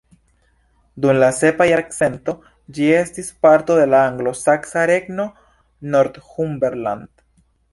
Dum la sepa jarcento, ĝi estis parto de la anglo-saksa regno Northumberland.